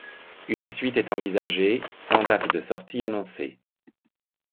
Une suite est envisagée, sans date de sortie annoncée.